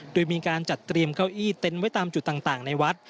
โดยมีการจัดเตรียมเก้าอี้เต็นต์ไว้ตามจุดต่างในวัด